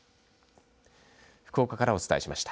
福岡からお伝えしました。